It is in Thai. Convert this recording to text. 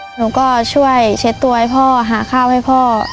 หนูก็ช่วยเช็ดตัวให้พ่อหาข้าวให้พ่อ